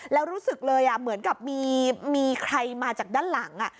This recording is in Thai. แล้วรู้สึกเลยเหมือนกับมีใครมาจากด้านหลัง